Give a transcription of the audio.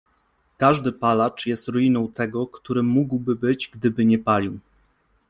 Każdy palacz jest ruiną tego, którym mógłby być, gdyby nie palił.